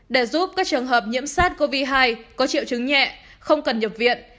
để giúp các trường hợp nhiễm sát covid hai có triệu chứng nhẹ không cần nhập viện